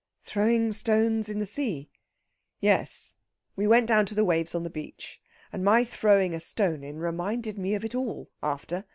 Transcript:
"Throwing stones in the sea?..." "Yes we went down to the waves on the beach, and my throwing a stone in reminded me of it all, after.